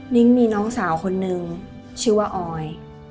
นิ้งมีน้องสาวคนนึงชื่อว่าออย